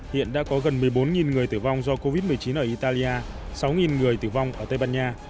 hiện đã có gần một mươi bốn người tử vong do covid một mươi chín ở italia sáu người tử vong ở tây ban nha